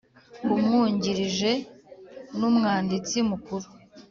Umwungirije n ‘Umwanditsi mukuru.